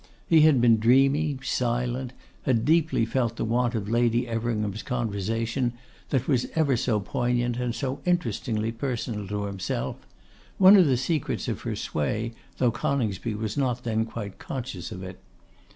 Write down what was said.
He had been dreamy, silent, had deeply felt the want of Lady Everingham's conversation, that was ever so poignant and so interestingly personal to himself; one of the secrets of her sway, though Coningsby was not then quite conscious of it.